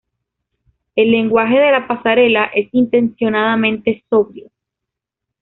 El lenguaje de la pasarela es intencionadamente sobrio.